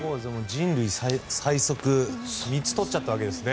人類最速３つ取っちゃったわけですね。